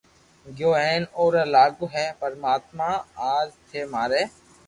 گيو ھين اووا لاگو اي پرماتما اج ٿي ماري